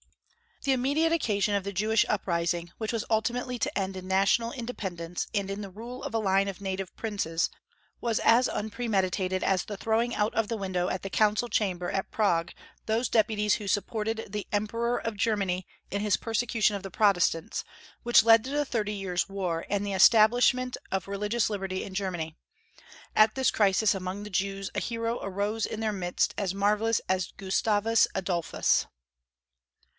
The immediate occasion of the Jewish uprising, which was ultimately to end in national independence and in the rule of a line of native princes, was as unpremeditated as the throwing out of the window at the council chamber at Prague those deputies who supported the Emperor of Germany in his persecution of the Protestants, which led to the Thirty Years' War and the establishment of religious liberty in Germany. At this crisis among the Jews, a hero arose in their midst as marvellous as Gustavus Adolphus.